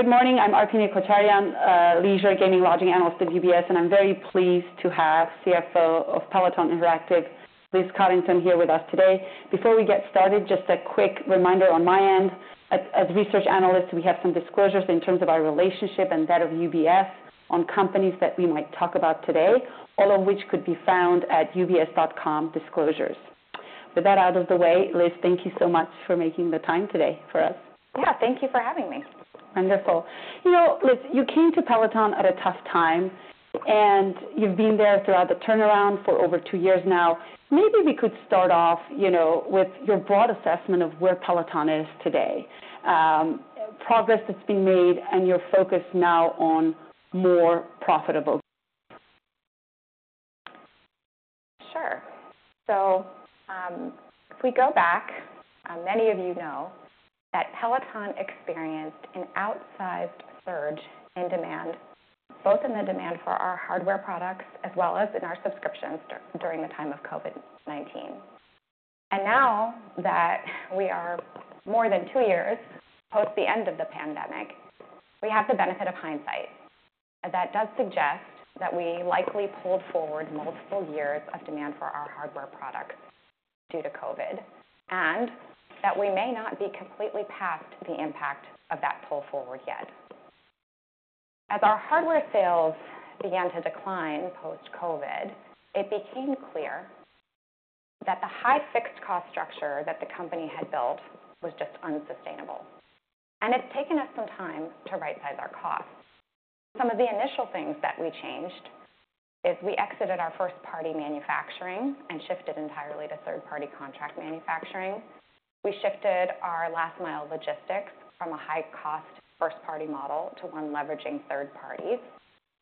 Good morning. I'm Arpine Kocharyan, Leisure, Gaming, and Lodging Analyst at UBS, and I'm very pleased to have CFO of Peloton Interactive, Liz Coddington, here with us today. Before we get started, just a quick reminder on my end. As research analysts, we have some disclosures in terms of our relationship and that of UBS on companies that we might talk about today, all of which could be found at UBS.com/disclosures. With that out of the way, Liz, thank you so much for making the time today for us. Yeah, thank you for having me. Wonderful. Liz, you came to Peloton at a tough time, and you've been there throughout the turnaround for over two years now. Maybe we could start off with your broad assessment of where Peloton is today, progress that's been made, and your focus now on more profitable. Sure. So if we go back, many of you know that Peloton experienced an outsized surge in demand, both in the demand for our hardware products as well as in our subscriptions during the time of COVID-19. And now that we are more than two years post the end of the pandemic, we have the benefit of hindsight. That does suggest that we likely pulled forward multiple years of demand for our hardware products due to COVID, and that we may not be completely past the impact of that pull forward yet. As our hardware sales began to decline post-COVID, it became clear that the high fixed cost structure that the company had built was just unsustainable. And it's taken us some time to right-size our costs. Some of the initial things that we changed is we exited our first-party manufacturing and shifted entirely to third-party contract manufacturing. We shifted our last-mile logistics from a high-cost first-party model to one leveraging third parties,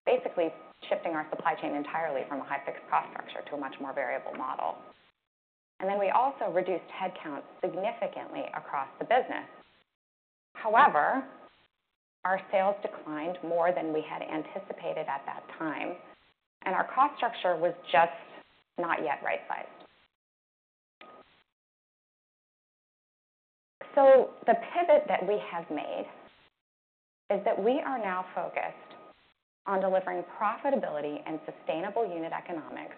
basically shifting our supply chain entirely from a high fixed cost structure to a much more variable model. And then we also reduced headcount significantly across the business. However, our sales declined more than we had anticipated at that time, and our cost structure was just not yet right-sized. So the pivot that we have made is that we are now focused on delivering profitability and sustainable unit economics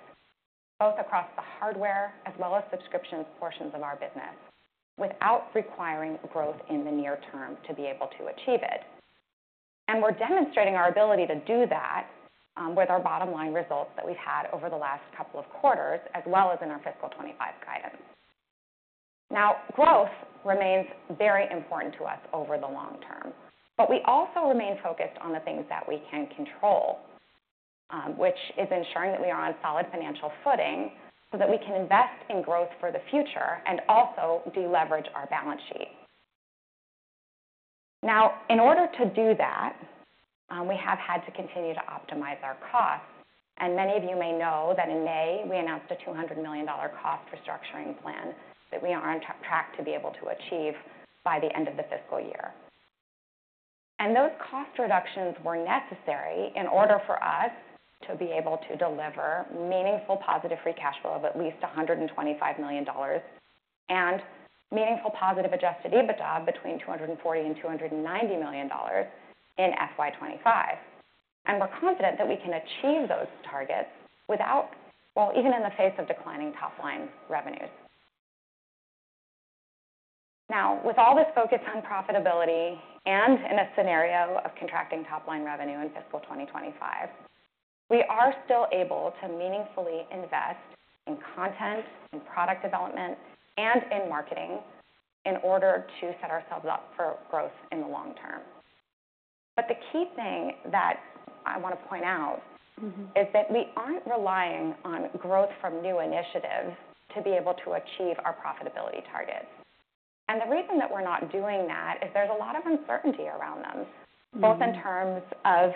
both across the hardware as well as subscriptions portions of our business without requiring growth in the near term to be able to achieve it. And we're demonstrating our ability to do that with our bottom-line results that we've had over the last couple of quarters, as well as in our fiscal 2025 guidance. Now, growth remains very important to us over the long term, but we also remain focused on the things that we can control, which is ensuring that we are on solid financial footing so that we can invest in growth for the future and also deleverage our balance sheet. Now, in order to do that, we have had to continue to optimize our costs. And many of you may know that in May, we announced a $200 million cost restructuring plan that we are on track to be able to achieve by the end of the fiscal year. And those cost reductions were necessary in order for us to be able to deliver meaningful positive free cash flow of at least $125 million and meaningful positive Adjusted EBITDA between $240 million-$290 million in FY2025. We're confident that we can achieve those targets without, well, even in the face of declining top-line revenues. Now, with all this focus on profitability and in a scenario of contracting top-line revenue in fiscal 2025, we are still able to meaningfully invest in content and product development and in marketing in order to set ourselves up for growth in the long term. The key thing that I want to point out is that we aren't relying on growth from new initiatives to be able to achieve our profitability targets. The reason that we're not doing that is there's a lot of uncertainty around them, both in terms of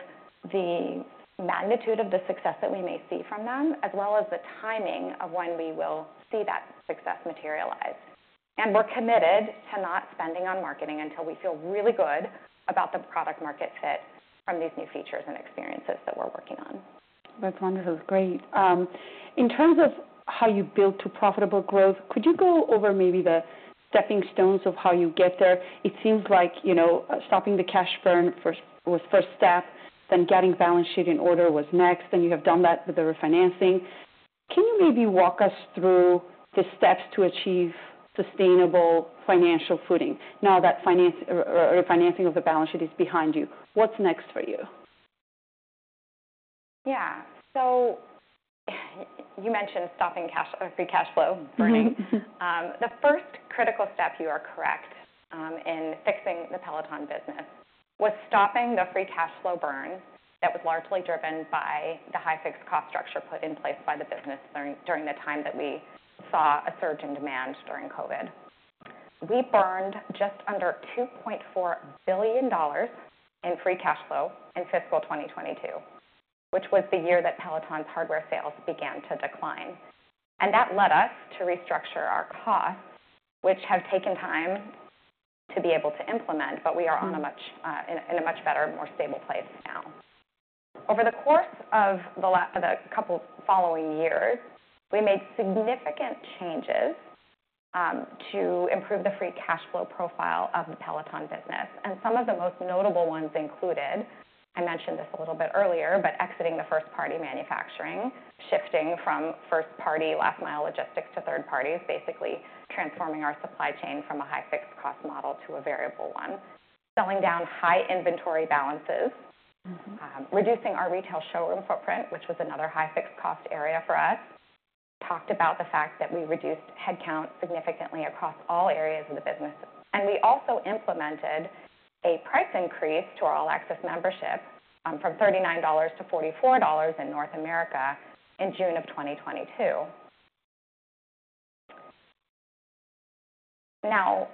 the magnitude of the success that we may see from them as well as the timing of when we will see that success materialize. We're committed to not spending on marketing until we feel really good about the product-market fit from these new features and experiences that we're working on. That's wonderful. That's great. In terms of how you build to profitable growth, could you go over maybe the stepping stones of how you get there? It seems like stopping the cash burn was the first step, then getting balance sheet in order was next, then you have done that with the refinancing. Can you maybe walk us through the steps to achieve sustainable financial footing? Now that refinancing of the balance sheet is behind you, what's next for you? Yeah. So you mentioned stopping free cash flow burning. The first critical step, you are correct, in fixing the Peloton business was stopping the free cash flow burn that was largely driven by the high fixed cost structure put in place by the business during the time that we saw a surge in demand during COVID. We burned just under $2.4 billion in free cash flow in fiscal 2022, which was the year that Peloton's hardware sales began to decline. And that led us to restructure our costs, which have taken time to be able to implement, but we are in a much better, more stable place now. Over the course of the couple following years, we made significant changes to improve the free cash flow profile of the Peloton business. Some of the most notable ones included. I mentioned this a little bit earlier, but exiting the first-party manufacturing, shifting from first-party last-mile logistics to third parties, basically transforming our supply chain from a high fixed cost model to a variable one, selling down high inventory balances, reducing our retail showroom footprint, which was another high fixed cost area for us. We talked about the fact that we reduced headcount significantly across all areas of the business. We also implemented a price increase to our All-Access Membership from $39-$44 in North America in June of 2022. Now,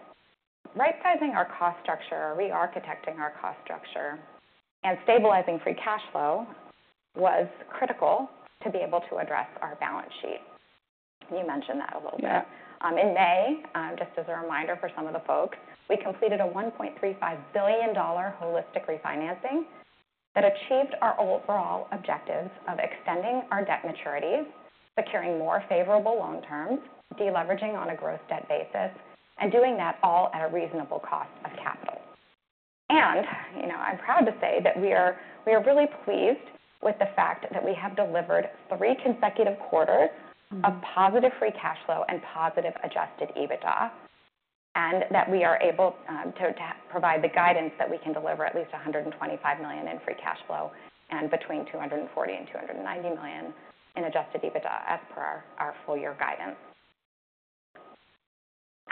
right-sizing our cost structure, re-architecting our cost structure, and stabilizing Free Cash Flow was critical to be able to address our balance sheet. You mentioned that a little bit. In May, just as a reminder for some of the folks, we completed a $1.35 billion holistic refinancing that achieved our overall objectives of extending our debt maturities, securing more favorable long terms, deleveraging on a gross debt basis, and doing that all at a reasonable cost of capital. And I'm proud to say that we are really pleased with the fact that we have delivered three consecutive quarters of positive Free Cash Flow and positive Adjusted EBITDA, and that we are able to provide the guidance that we can deliver at least $125 million in Free Cash Flow and between $240 and $290 million in Adjusted EBITDA as per our full-year guidance.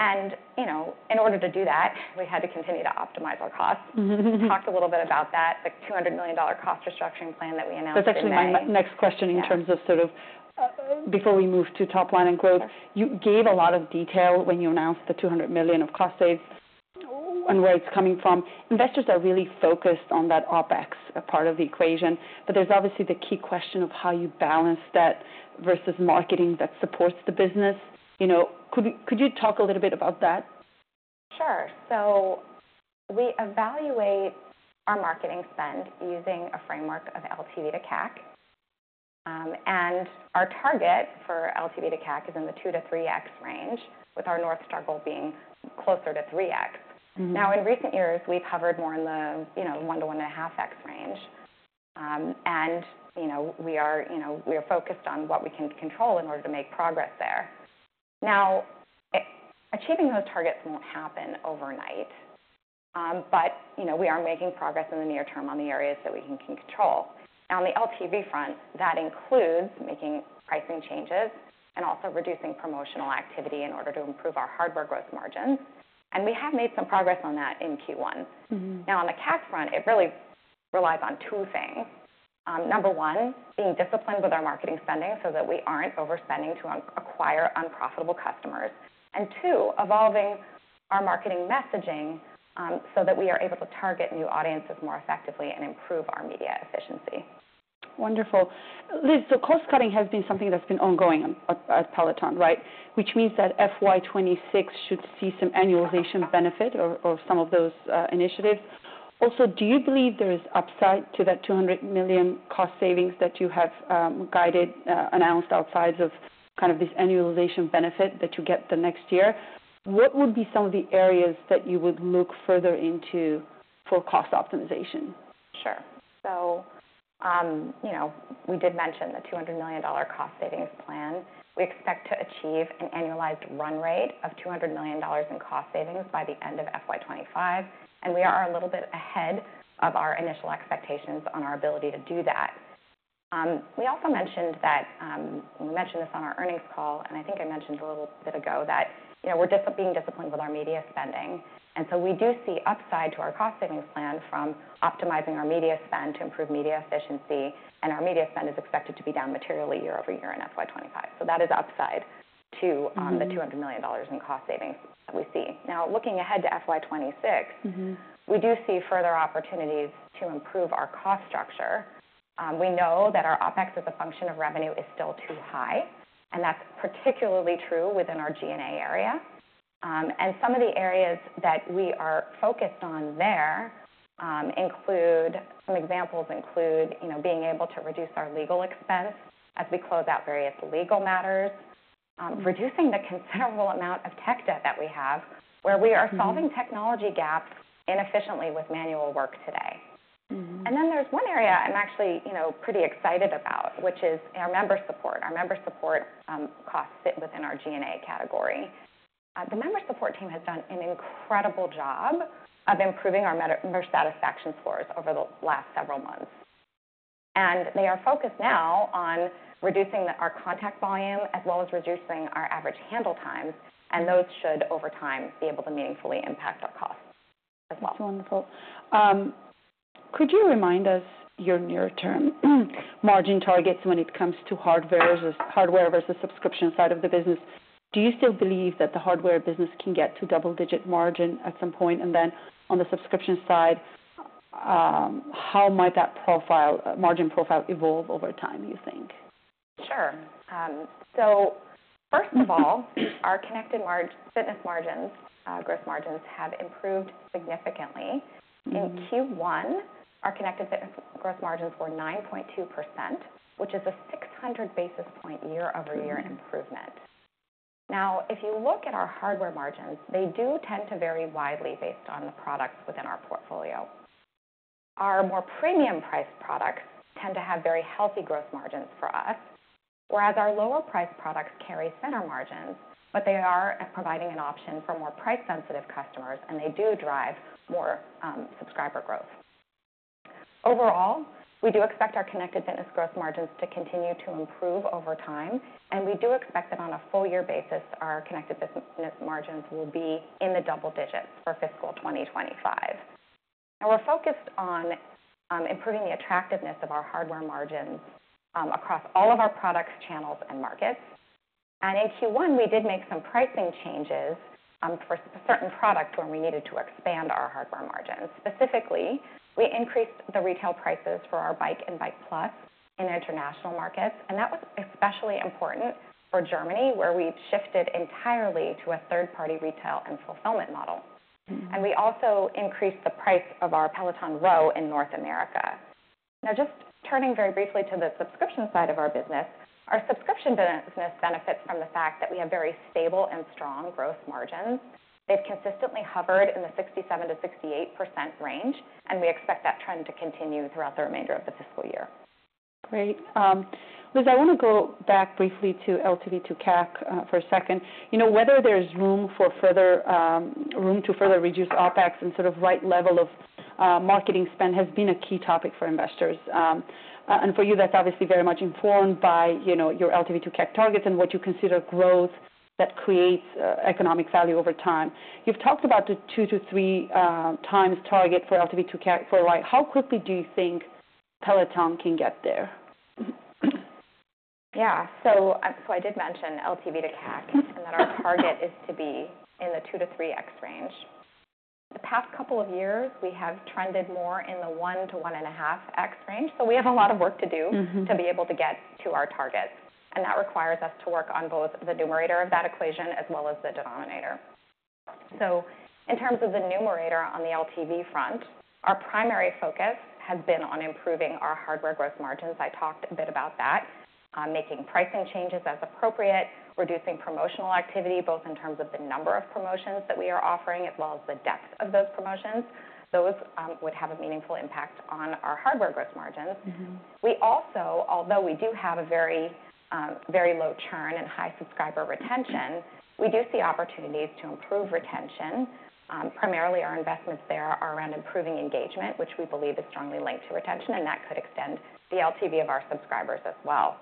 And in order to do that, we had to continue to optimize our costs. We talked a little bit about that, the $200 million cost restructuring plan that we announced in May. That's actually my next question in terms of sort of before we move to top-line and growth. You gave a lot of detail when you announced the $200 million of cost saves and where it's coming from. Investors are really focused on that OpEx part of the equation, but there's obviously the key question of how you balance that versus marketing that supports the business. Could you talk a little bit about that? Sure. So we evaluate our marketing spend using a framework of LTV to CAC, and our target for LTV to CAC is in the 2x-3x range, with our North Star goal being closer to 3x. Now, in recent years, we've hovered more in the 1x-1.5x range, and we are focused on what we can control in order to make progress there. Now, achieving those targets won't happen overnight, but we are making progress in the near term on the areas that we can control. Now, on the LTV front, that includes making pricing changes and also reducing promotional activity in order to improve our hardware growth margins. And we have made some progress on that in Q1. Now, on the CAC front, it really relies on two things. Number one, being disciplined with our marketing spending so that we aren't overspending to acquire unprofitable customers. And two, evolving our marketing messaging so that we are able to target new audiences more effectively and improve our media efficiency. Wonderful. Liz, so cost cutting has been something that's been ongoing at Peloton, right, which means that FY2026 should see some annualization benefit or some of those initiatives. Also, do you believe there is upside to that $200 million cost savings that you have guided, announced outside of kind of this annualization benefit that you get the next year? What would be some of the areas that you would look further into for cost optimization? Sure, so we did mention the $200 million cost savings plan. We expect to achieve an annualized run rate of $200 million in cost savings by the end of FY2025, and we are a little bit ahead of our initial expectations on our ability to do that. We also mentioned that we mentioned this on our earnings call, and I think I mentioned a little bit ago that we're being disciplined with our media spending, and so we do see upside to our cost savings plan from optimizing our media spend to improve media efficiency, and our media spend is expected to be down materially year over year in FY2025, so that is upside to the $200 million in cost savings that we see. Now, looking ahead to FY2026, we do see further opportunities to improve our cost structure. We know that our OpEx as a function of revenue is still too high, and that's particularly true within our G&A area. Some of the areas that we are focused on there include some examples being able to reduce our legal expense as we close out various legal matters, reducing the considerable amount of tech debt that we have, where we are solving technology gaps inefficiently with manual work today. Then there's one area I'm actually pretty excited about, which is our member support. Our member support costs sit within our G&A category. The member support team has done an incredible job of improving our member satisfaction scores over the last several months. They are focused now on reducing our contact volume as well as reducing our average handle times, and those should over time be able to meaningfully impact our costs as well. That's wonderful. Could you remind us your near-term margin targets when it comes to hardware versus subscription side of the business? Do you still believe that the hardware business can get to double-digit margin at some point? And then on the subscription side, how might that margin profile evolve over time, do you think? Sure. So first of all, our connected fitness margins, gross margins have improved significantly. In Q1, our connected fitness gross margins were 9.2%, which is a 600 basis points year-over-year improvement. Now, if you look at our hardware margins, they do tend to vary widely based on the products within our portfolio. Our more premium-priced products tend to have very healthy gross margins for us, whereas our lower-priced products carry thinner margins, but they are providing an option for more price-sensitive customers, and they do drive more subscriber growth. Overall, we do expect our connected fitness gross margins to continue to improve over time, and we do expect that on a full-year basis, our connected fitness margins will be in the double digits for fiscal 2025. Now, we're focused on improving the attractiveness of our hardware margins across all of our products, channels, and markets. And in Q1, we did make some pricing changes for certain products when we needed to expand our hardware margins. Specifically, we increased the retail prices for our Bike and Bike+ in international markets, and that was especially important for Germany, where we shifted entirely to a third-party retail and fulfillment model. And we also increased the price of our Peloton Row in North America. Now, just turning very briefly to the subscription side of our business, our subscription business benefits from the fact that we have very stable and strong gross margins. They've consistently hovered in the 67%-68% range, and we expect that trend to continue throughout the remainder of the fiscal year. Great. Liz, I want to go back briefly to LTV to CAC for a second. Whether there's room to further reduce OpEx and sort of right level of marketing spend has been a key topic for investors, and for you, that's obviously very much informed by your LTV to CAC targets and what you consider growth that creates economic value over time. You've talked about the two to three times target for LTV to CAC for a while. How quickly do you think Peloton can get there? Yeah. So I did mention LTV to CAC and that our target is to be in the two to 2x-3x range. The past couple of years, we have trended more in the one to 1.5x range, so we have a lot of work to do to be able to get to our target. And that requires us to work on both the numerator of that equation as well as the denominator. So in terms of the numerator on the LTV front, our primary focus has been on improving our hardware gross margins. I talked a bit about that, making pricing changes as appropriate, reducing promotional activity both in terms of the number of promotions that we are offering as well as the depth of those promotions. Those would have a meaningful impact on our hardware gross margins. We also, although we do have a very low churn and high subscriber retention, we do see opportunities to improve retention. Primarily, our investments there are around improving engagement, which we believe is strongly linked to retention, and that could extend the LTV of our subscribers as well.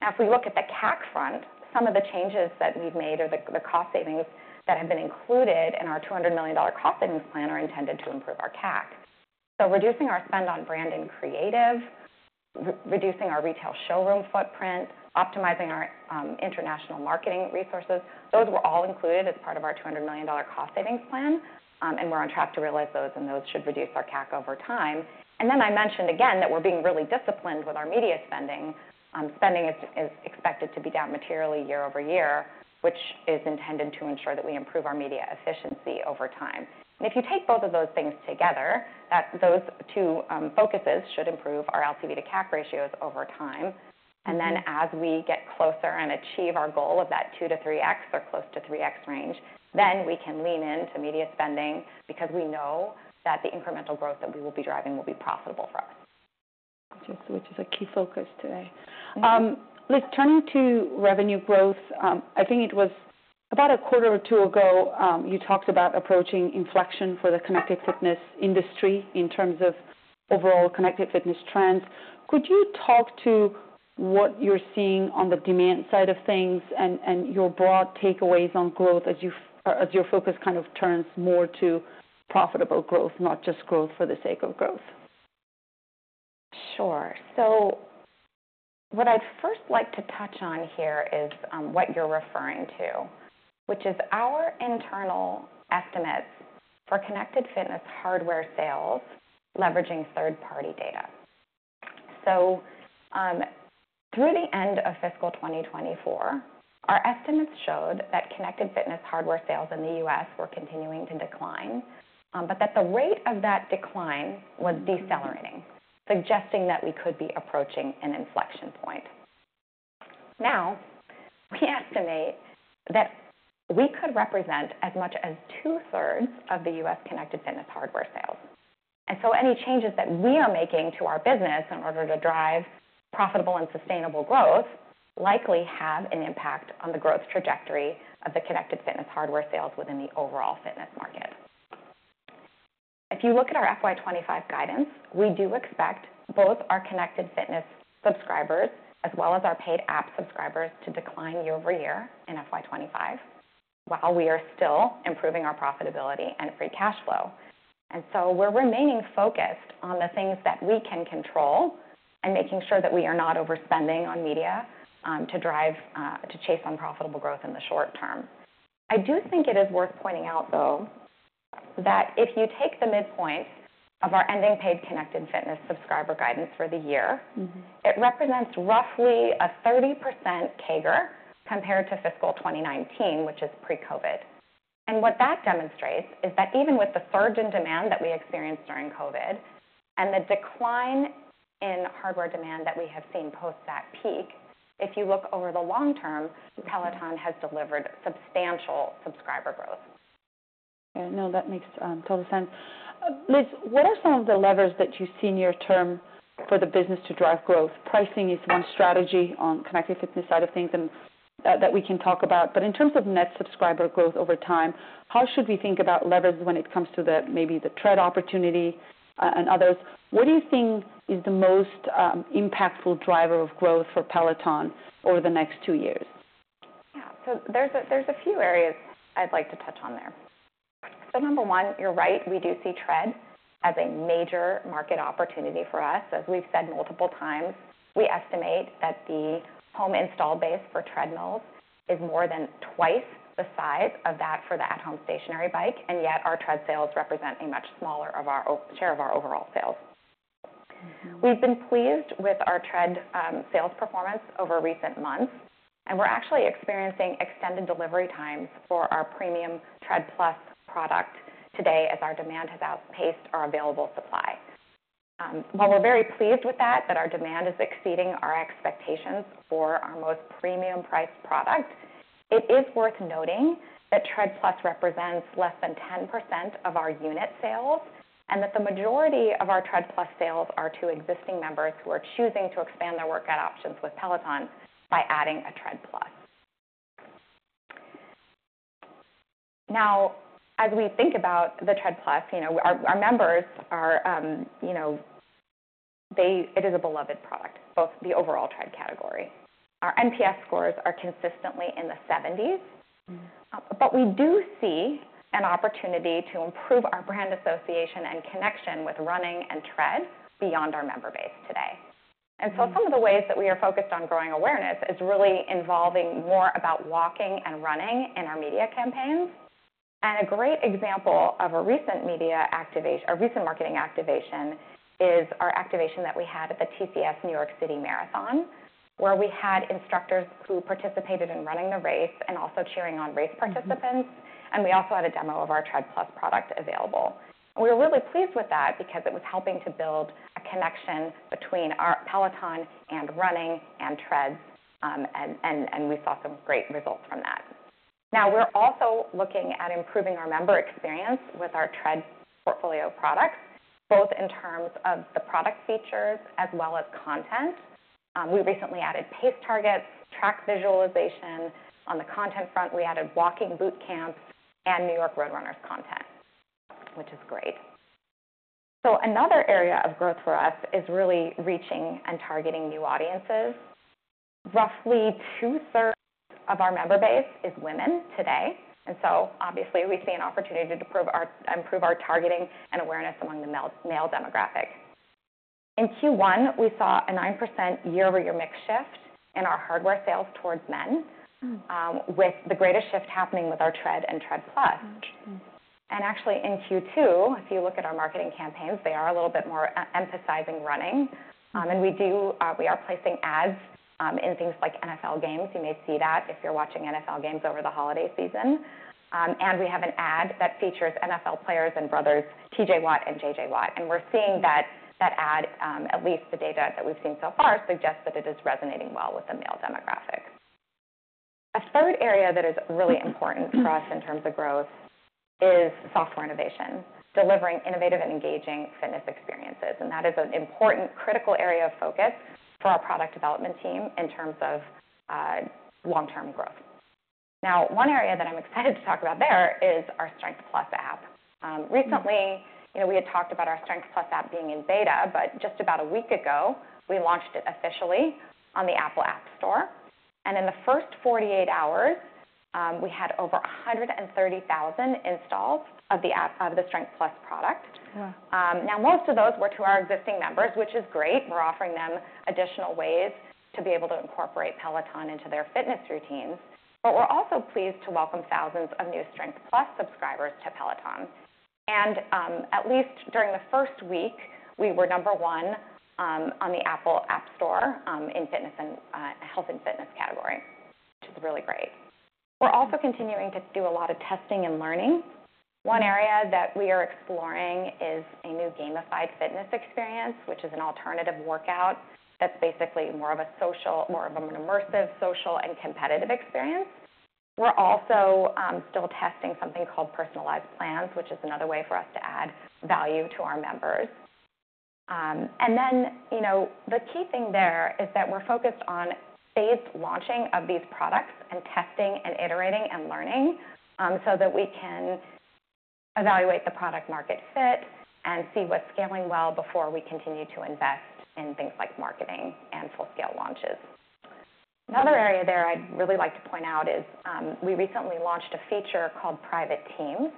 Now, if we look at the CAC front, some of the changes that we've made or the cost savings that have been included in our $200 million cost savings plan are intended to improve our CAC. So reducing our spend on brand and creative, reducing our retail showroom footprint, optimizing our international marketing resources, those were all included as part of our $200 million cost savings plan, and we're on track to realize those, and those should reduce our CAC over time, and then I mentioned again that we're being really disciplined with our media spending. Spending is expected to be down materially year over year, which is intended to ensure that we improve our media efficiency over time, and if you take both of those things together, those two focuses should improve our LTV to CAC ratios over time, and then as we get closer and achieve our goal of that 2x-3x or close to 3x range, then we can lean into media spending because we know that the incremental growth that we will be driving will be profitable for us. Interesting, which is a key focus today. Liz, turning to revenue growth, I think it was about a quarter or two ago you talked about approaching inflection for the connected fitness industry in terms of overall connected fitness trends. Could you talk to what you're seeing on the demand side of things and your broad takeaways on growth as your focus kind of turns more to profitable growth, not just growth for the sake of growth? Sure. So what I'd first like to touch on here is what you're referring to, which is our internal estimates for connected fitness hardware sales leveraging third-party data. So through the end of fiscal 2024, our estimates showed that connected fitness hardware sales in the U.S. were continuing to decline, but that the rate of that decline was decelerating, suggesting that we could be approaching an inflection point. Now, we estimate that we could represent as much as two-thirds of the U.S. connected fitness hardware sales. And so any changes that we are making to our business in order to drive profitable and sustainable growth likely have an impact on the growth trajectory of the connected fitness hardware sales within the overall fitness market. If you look at our FY2025 guidance, we do expect both our connected fitness subscribers as well as our paid app subscribers to decline year over year in FY2025 while we are still improving our profitability and free cash flow, and so we're remaining focused on the things that we can control and making sure that we are not overspending on media to chase unprofitable growth in the short term. I do think it is worth pointing out, though, that if you take the midpoint of our ending paid connected fitness subscriber guidance for the year, it represents roughly a 30% CAGR compared to fiscal 2019, which is pre-COVID. What that demonstrates is that even with the surge in demand that we experienced during COVID and the decline in hardware demand that we have seen post that peak, if you look over the long term, Peloton has delivered substantial subscriber growth. Yeah, no, that makes total sense. Liz, what are some of the levers that you see near term for the business to drive growth? Pricing is one strategy on the connected fitness side of things that we can talk about. But in terms of net subscriber growth over time, how should we think about levers when it comes to maybe the tread opportunity and others? What do you think is the most impactful driver of growth for Peloton over the next two years? Yeah. So there's a few areas I'd like to touch on there. So number one, you're right, we do see Tread as a major market opportunity for us. As we've said multiple times, we estimate that the home install base for treadmills is more than twice the size of that for the at-home stationary bike, and yet our Tread sales represent a much smaller share of our overall sales. We've been pleased with our Tread sales performance over recent months, and we're actually experiencing extended delivery times for our premium Tread+ product today as our demand has outpaced our available supply. While we're very pleased with that, that our demand is exceeding our expectations for our most premium-priced product, it is worth noting that Tread+ represents less than 10% of our unit sales and that the majority of our Tread+ sales are to existing members who are choosing to expand their workout options with Peloton by adding a Tread+. Now, as we think about the Tread+, our members, it is a beloved product, both the overall tread category. Our NPS scores are consistently in the 70s, but we do see an opportunity to improve our brand association and connection with running and tread beyond our member base today, and so some of the ways that we are focused on growing awareness is really involving more about walking and running in our media campaigns. And a great example of a recent marketing activation is our activation that we had at the TCS New York City Marathon, where we had instructors who participated in running the race and also cheering on race participants. And we also had a demo of our Tread+ product available. And we were really pleased with that because it was helping to build a connection between Peloton and running and treads, and we saw some great results from that. Now, we're also looking at improving our member experience with our tread portfolio products, both in terms of the product features as well as content. We recently added pace targets, track visualization. On the content front, we added Walking Bootcamps and New York Road Runners content, which is great. So another area of growth for us is really reaching and targeting new audiences. Roughly two-thirds of our member base is women today. So obviously, we see an opportunity to improve our targeting and awareness among the male demographic. In Q1, we saw a 9% year-over-year mix shift in our hardware sales towards men, with the greatest shift happening with our Tread and Tread+. Actually, in Q2, if you look at our marketing campaigns, they are a little bit more emphasizing running. We are placing ads in things like NFL games. You may see that if you're watching NFL games over the holiday season. We have an ad that features NFL players and brothers, TJ Watt and JJ Watt. We're seeing that that ad, at least the data that we've seen so far, suggests that it is resonating well with the male demographic. A third area that is really important for us in terms of growth is software innovation, delivering innovative and engaging fitness experiences. And that is an important critical area of focus for our product development team in terms of long-term growth. Now, one area that I'm excited to talk about there is our Strength+ app. Recently, we had talked about our Strength+ app being in beta, but just about a week ago, we launched it officially on the Apple App Store. And in the first 48 hours, we had over 130,000 installs of the Strength+ product. Now, most of those were to our existing members, which is great. We're offering them additional ways to be able to incorporate Peloton into their fitness routines. But we're also pleased to welcome thousands of new Strength+ subscribers to Peloton. And at least during the first week, we were number one on the Apple App Store in health and fitness category, which is really great. We're also continuing to do a lot of testing and learning. One area that we are exploring is a new gamified fitness experience, which is an alternative workout that's basically more of a social, more of an immersive social and competitive experience. We're also still testing something called personalized plans, which is another way for us to add value to our members. And then the key thing there is that we're focused on phased launching of these products and testing and iterating and learning so that we can evaluate the product-market fit and see what's scaling well before we continue to invest in things like marketing and full-scale launches. Another area there I'd really like to point out is we recently launched a feature called Private Teams.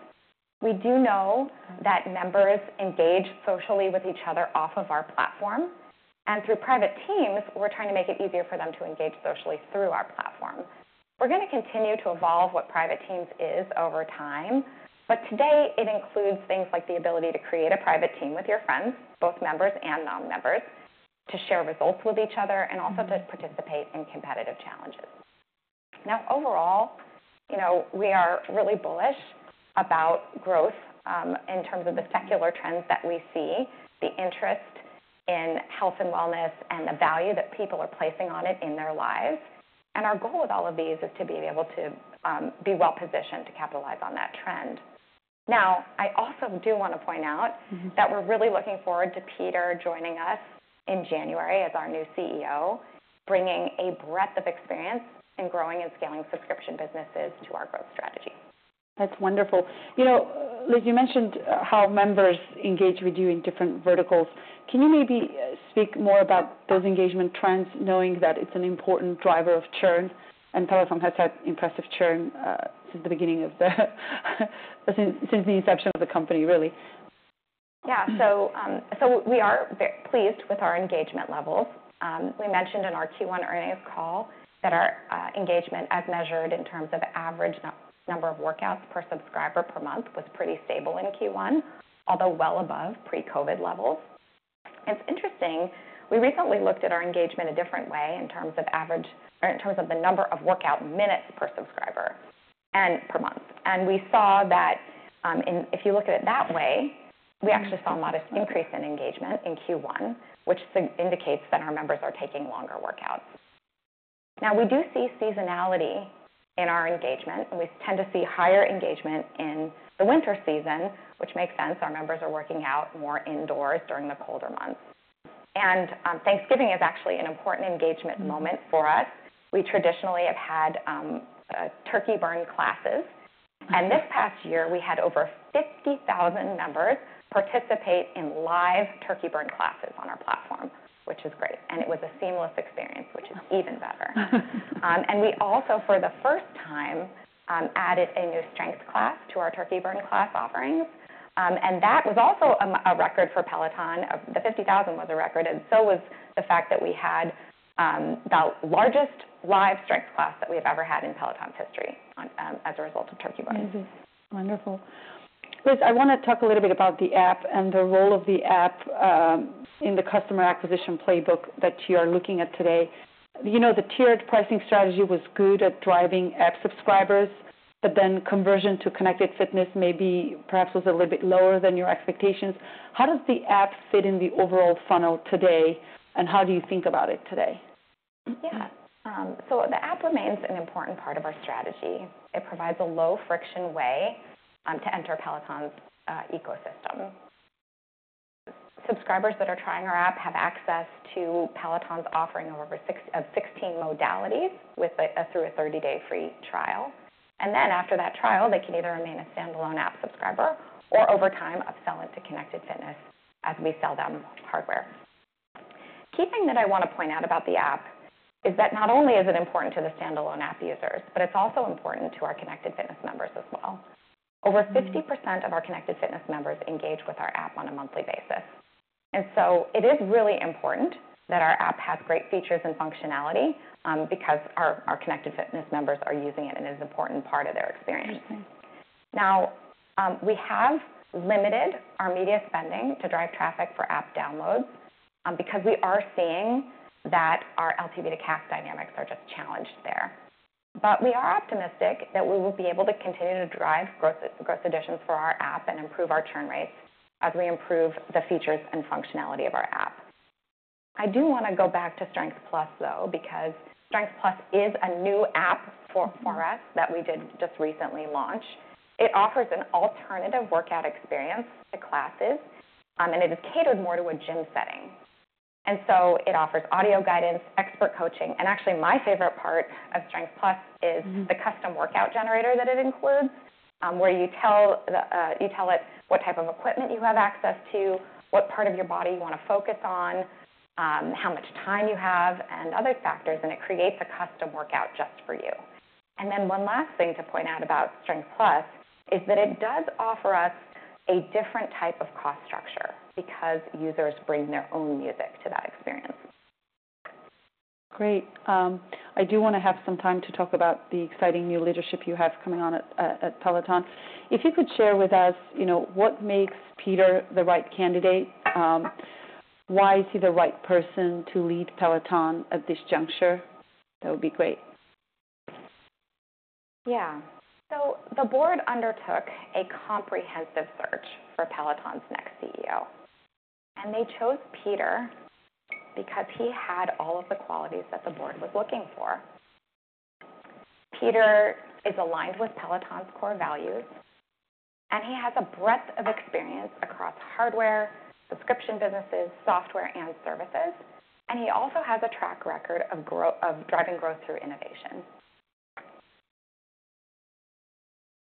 We do know that members engage socially with each other off of our platform, and through Private Teams, we're trying to make it easier for them to engage socially through our platform. We're going to continue to evolve what Private Teams is over time, but today it includes things like the ability to create a private team with your friends, both members and non-members, to share results with each other, and also to participate in competitive challenges. Now, overall, we are really bullish about growth in terms of the secular trends that we see, the interest in health and wellness, and the value that people are placing on it in their lives, and our goal with all of these is to be able to be well-positioned to capitalize on that trend. Now, I also do want to point out that we're really looking forward to Peter joining us in January as our new CEO, bringing a breadth of experience in growing and scaling subscription businesses to our growth strategy. That's wonderful. Liz, you mentioned how members engage with you in different verticals. Can you maybe speak more about those engagement trends, knowing that it's an important driver of churn? And Peloton has had impressive churn since the inception of the company, really. Yeah. So we are pleased with our engagement levels. We mentioned in our Q1 earnings call that our engagement, as measured in terms of average number of workouts per subscriber per month, was pretty stable in Q1, although well above pre-COVID levels. It's interesting. We recently looked at our engagement a different way in terms of the number of workout minutes per subscriber and per month. And we saw that if you look at it that way, we actually saw a modest increase in engagement in Q1, which indicates that our members are taking longer workouts. Now, we do see seasonality in our engagement. We tend to see higher engagement in the winter season, which makes sense. Our members are working out more indoors during the colder months. And Thanksgiving is actually an important engagement moment for us. We traditionally have had Turkey Burn classes. This past year, we had over 50,000 members participate in live Turkey Burn classes on our platform, which is great. It was a seamless experience, which is even better. We also, for the first time, added a new strength class to our Turkey Burn class offerings. That was also a record for Peloton. The 50,000 was a record, and so was the fact that we had the largest live strength class that we have ever had in Peloton's history as a result of Turkey Burn. Wonderful. Liz, I want to talk a little bit about the app and the role of the app in the customer acquisition playbook that you are looking at today. You know the tiered pricing strategy was good at driving app subscribers, but then conversion to connected fitness maybe perhaps was a little bit lower than your expectations. How does the app fit in the overall funnel today, and how do you think about it today? Yeah. So the app remains an important part of our strategy. It provides a low-friction way to enter Peloton's ecosystem. Subscribers that are trying our app have access to Peloton's offering of 16 modalities through a 30-day free trial, and then after that trial, they can either remain a standalone app subscriber or, over time, upsell it to connected fitness as we sell them hardware. Key thing that I want to point out about the app is that not only is it important to the standalone app users, but it's also important to our connected fitness members as well. Over 50% of our connected fitness members engage with our app on a monthly basis, and so it is really important that our app has great features and functionality because our connected fitness members are using it, and it is an important part of their experience. Now, we have limited our media spending to drive traffic for app downloads because we are seeing that our LTV to CAC dynamics are just challenged there. But we are optimistic that we will be able to continue to drive gross additions for our app and improve our churn rates as we improve the features and functionality of our app. I do want to go back to Strength+, though, because Strength+ is a new app for us that we did just recently launch. It offers an alternative workout experience to classes, and it is catered more to a gym setting. And so it offers audio guidance, expert coaching, and actually my favorite part of Strength+ is the custom workout generator that it includes, where you tell it what type of equipment you have access to, what part of your body you want to focus on, how much time you have, and other factors, and it creates a custom workout just for you. And then one last thing to point out about Strength+ is that it does offer us a different type of cost structure because users bring their own music to that experience. Great. I do want to have some time to talk about the exciting new leadership you have coming on at Peloton. If you could share with us what makes Peter the right candidate, why is he the right person to lead Peloton at this juncture, that would be great. Yeah. So the board undertook a comprehensive search for Peloton's next CEO, and they chose Peter because he had all of the qualities that the board was looking for. Peter is aligned with Peloton's core values, and he has a breadth of experience across hardware, subscription businesses, software, and services. And he also has a track record of driving growth through innovation.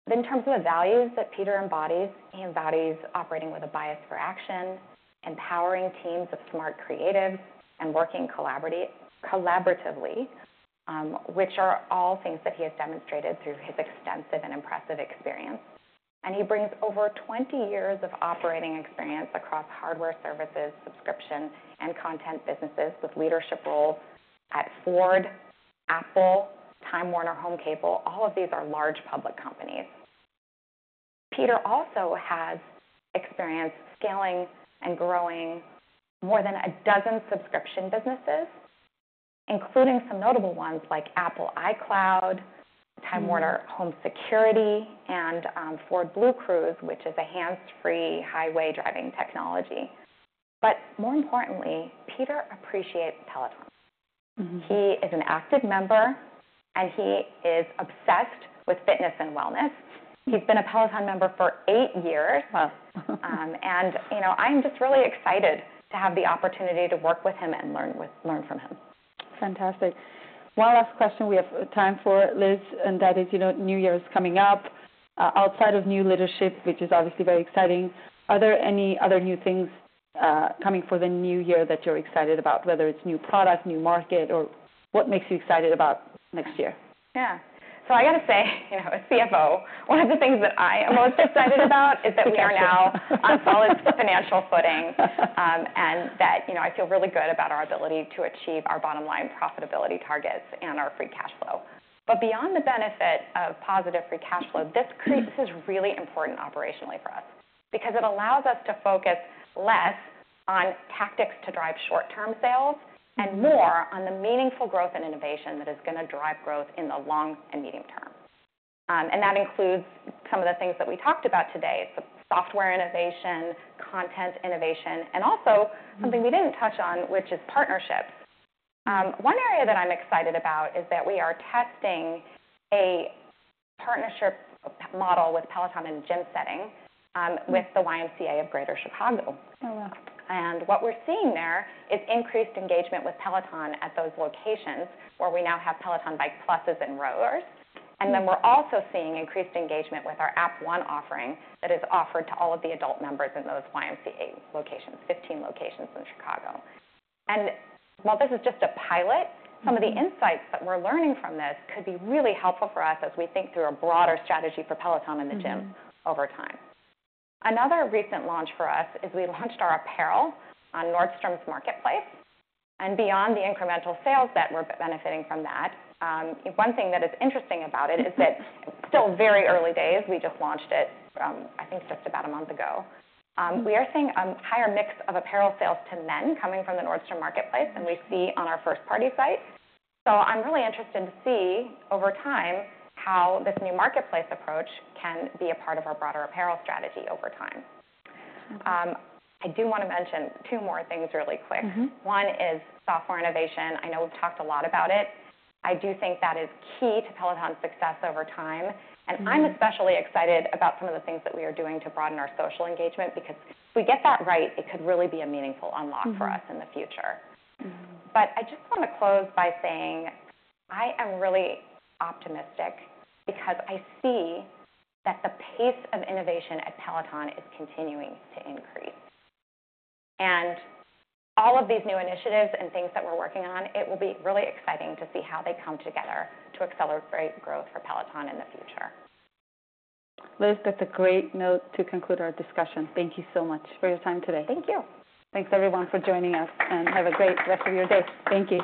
In terms of the values that Peter embodies, he embodies operating with a bias for action, empowering teams of smart creatives, and working collaboratively, which are all things that he has demonstrated through his extensive and impressive experience. And he brings over 20 years of operating experience across hardware services, subscription, and content businesses with leadership roles at Ford, Apple, Time Warner Cable. All of these are large public companies. Peter also has experience scaling and growing more than a dozen subscription businesses, including some notable ones like Apple iCloud, Time Warner Cable Home Security, and Ford BlueCruise, which is a hands-free highway driving technology. But more importantly, Peter appreciates Peloton. He is an active member, and he is obsessed with fitness and wellness. He's been a Peloton member for eight years, and I'm just really excited to have the opportunity to work with him and learn from him. Fantastic. One last question we have time for, Liz, and that is New Year's coming up. Outside of new leadership, which is obviously very exciting, are there any other new things coming for the new year that you're excited about, whether it's new product, new market, or what makes you excited about next year? Yeah. So I got to say, as CFO, one of the things that I am most excited about is that we are now on solid financial footing and that I feel really good about our ability to achieve our bottom-line profitability targets and our free cash flow. But beyond the benefit of positive free cash flow, this is really important operationally for us because it allows us to focus less on tactics to drive short-term sales and more on the meaningful growth and innovation that is going to drive growth in the long and medium term. And that includes some of the things that we talked about today: software innovation, content innovation, and also something we didn't touch on, which is partnerships. One area that I'm excited about is that we are testing a partnership model with Peloton in a gym setting with the YMCA of Greater Chicago. And what we're seeing there is increased engagement with Peloton at those locations where we now have Peloton Bike+ and Row. And then we're also seeing increased engagement with our App One offering that is offered to all of the adult members in those YMCA locations, 15 locations in Chicago. And while this is just a pilot, some of the insights that we're learning from this could be really helpful for us as we think through a broader strategy for Peloton in the gym over time. Another recent launch for us is we launched our apparel on Nordstrom Marketplace. And beyond the incremental sales that we're benefiting from that, one thing that is interesting about it is that it's still very early days. We just launched it, I think, just about a month ago. We are seeing a higher mix of apparel sales to men coming from the Nordstrom Marketplace than we see on our first-party site. So I'm really interested to see over time how this new marketplace approach can be a part of our broader apparel strategy over time. I do want to mention two more things really quick. One is software innovation. I know we've talked a lot about it. I do think that is key to Peloton's success over time. And I'm especially excited about some of the things that we are doing to broaden our social engagement because if we get that right, it could really be a meaningful unlock for us in the future. But I just want to close by saying I am really optimistic because I see that the pace of innovation at Peloton is continuing to increase. All of these new initiatives and things that we're working on, it will be really exciting to see how they come together to accelerate growth for Peloton in the future. Liz, that's a great note to conclude our discussion. Thank you so much for your time today. Thank you. Thanks, everyone, for joining us, and have a great rest of your day. Thank you.